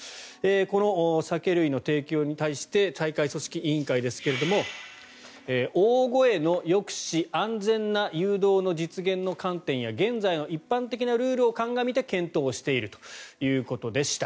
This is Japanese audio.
この酒類の提供に対して大会組織委員会ですけれども大声の抑止安全な誘導の実現の観点や現在の一般的なルールを鑑みて検討しているということでした。